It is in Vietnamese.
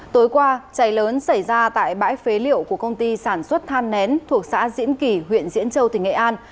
tối qua cháy lớn xảy ra tại bãi phế liệu của công ty sản xuất than nén thuộc xã diễn kỳ huyện diễn châu tỉnh nghệ an